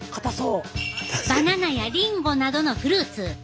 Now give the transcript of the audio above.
バナナやリンゴなどのフルーツ。